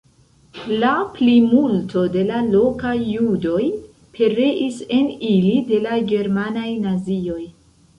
La plimulto de la lokaj judoj pereis en ili de la germanaj nazioj.